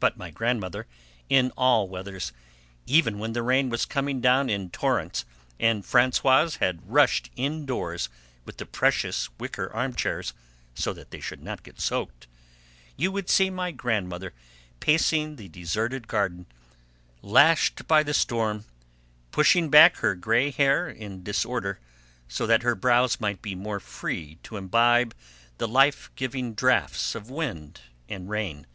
But my grandmother, in all weathers, even when the rain was coming down in torrents and Françoise had rushed indoors with the precious wicker armchairs, so that they should not get soaked you would see my grandmother pacing the deserted garden, lashed by the storm, pushing back her grey hair in disorder so that her brows might be more free to imbibe the life giving draughts of wind and rain.